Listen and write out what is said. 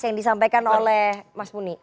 yang disampaikan oleh mas muni